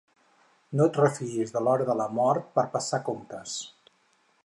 No et refiïs de l'hora de la mort per passar comptes.